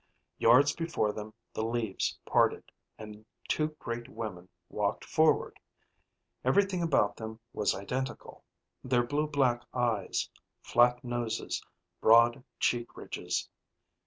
Yards before them the leaves parted, and two great women walked forward. Everything about them was identical, their blue black eyes, flat noses, broad cheek ridges.